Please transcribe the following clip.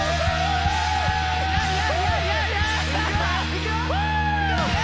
いくよ！